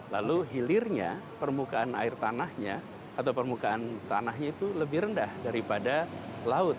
lalu hilirnya permukaan air tanahnya atau permukaan tanahnya itu lebih rendah daripada laut